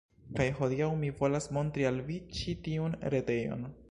Kaj hodiaŭ mi volas montri al vi ĉi tiun retejon